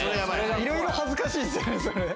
いろいろ恥ずかしいっすよね。